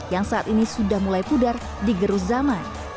yang saat ini sudah mulai pudar di gerus zaman